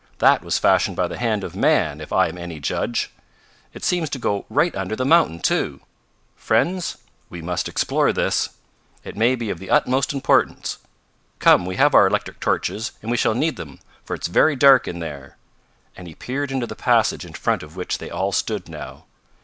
That was fashioned by the hand of man, if I am any judge. It seems to go right under the mountain, too. Friends, we must explore this! It may be of the utmost importance! Come, we have our electric torches, and we shall need them, for it's very dark in there," and he peered into the passage in front of which they all stood now.